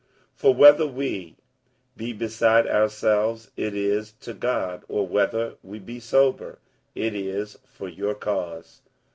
47:005:013 For whether we be beside ourselves, it is to God: or whether we be sober, it is for your cause.